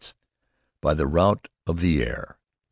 "By the route of the air!"